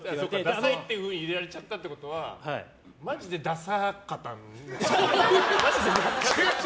ダサいって入れられちゃったってことはマジでダサかったんだよ。